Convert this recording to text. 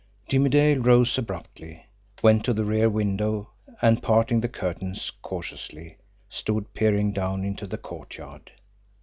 Jimmie Dale rose abruptly, went to the rear window, and, parting the curtains cautiously, stood peering down into the courtyard.